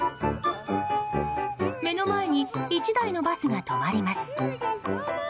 目の前に１台のバスが止まります。